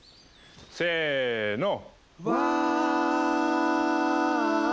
せの。